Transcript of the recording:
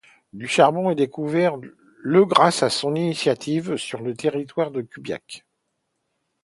Du charbon est découvert le grâce à son initiative sur le territoire de Cublac.